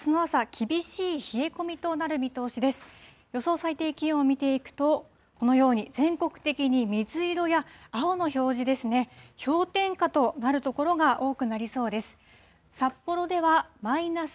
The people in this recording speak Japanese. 最低気温を見ていくと、このように全国的に水色や青の表示ですね、氷点下となる所が多くなりそうです。